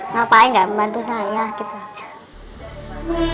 ngapain gak membantu saya gitu aja